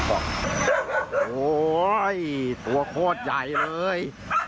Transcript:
อาวิทย์ลงมาอาวิทย์